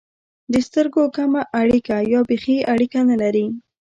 د سترګو کمه اړیکه یا بېخي اړیکه نه لري.